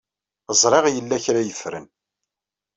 Ẓriɣ yella kra ay ffren.